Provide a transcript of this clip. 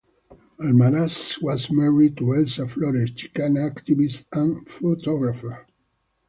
Almaraz was married to Elsa Flores, Chicana activist and photographer.